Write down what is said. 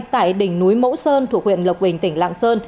tại đỉnh núi mẫu sơn thuộc huyện lộc bình tỉnh lạng sơn